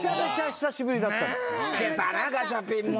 老けたなガチャピンも。